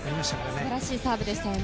素晴らしいサーブでしたよね。